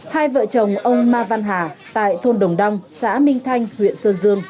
hai vợ chồng ông ma văn hà tại thôn đồng đăng xã minh thanh huyện sơn dương